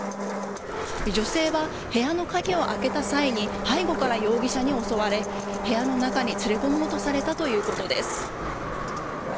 女性は部屋の鍵を開けた際に背後から容疑者に襲われ部屋の中に連れ込もうとされたということです。